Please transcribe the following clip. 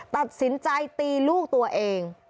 ตัดสินใจตีลูกตัวเอง